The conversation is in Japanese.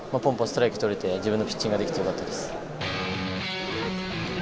ストライク取れて自分のピッチングができてよかったです。